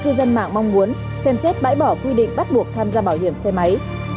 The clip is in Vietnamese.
cư dân mạng mong muốn xem xét bãi bỏ quy định bắt buộc tham gia bảo hiểm xe máy